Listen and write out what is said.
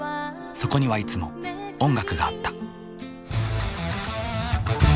そこにはいつも音楽があった。